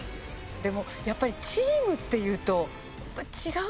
でもやっぱりチームっていうと違うでしょうね。